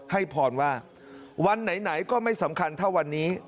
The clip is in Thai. ให้พรว่าวันไหนก็ไม่สำคัญเท่าวันนี้